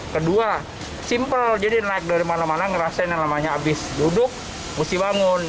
kedua simple jadi naik dari mana mana ngerasain yang namanya abis duduk mesti bangun